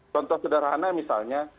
contoh sederhana misalnya